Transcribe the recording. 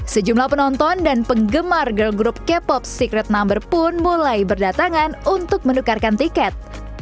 sejumlah penonton dan penggemar girl group k pop secret number pun mulai berdatangan untuk menukarkan tiket